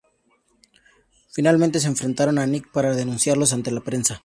Finalmente se enfrentará a Nick para denunciarlo ante la prensa.